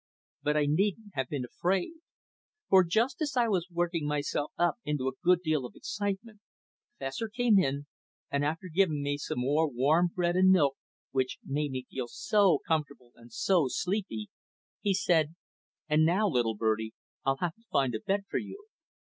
But I needn't have been afraid. For, just as I was working myself up into a good deal of excitement, Fessor came in, and after giving me some more warm bread and milk, which made me feel so comfortable and so sleepy, he said: "And now, little birdie, I'll have to find a bed for you."